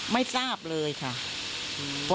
ไม่ทราบเลยค่ะ